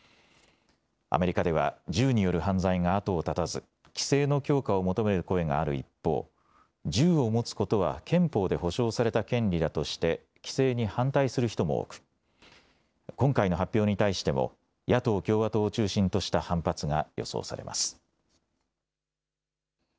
アメリカでは銃による犯罪が後を絶たず規制の強化を求める声がある一方、銃を持つことは憲法で保障された権利だとして規制に反対する人も多く、今回の発表に対しても野党共和党を中心とした反発が予想されます。